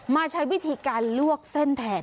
ใช้วิธีการลวกเส้นแทน